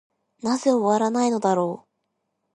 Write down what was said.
なぜ終わないのだろう。